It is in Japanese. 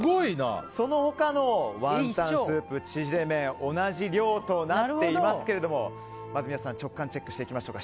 その他のワンタンスープ縮れ麺同じ量となっていますけれども直感チェックしていきましょうか。